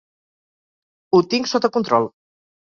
Ho tinc sota control.